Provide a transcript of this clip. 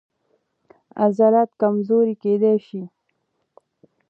عضلات کمزوري کېدای شي.